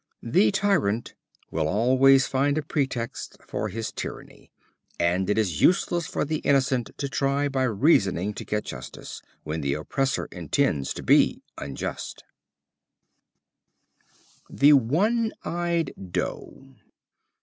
The tyrant will always find a pretext for his tyranny, and it is useless for the innocent to try by reasoning to get justice, when the oppressor intends to be unjust. The One Eyed Doe.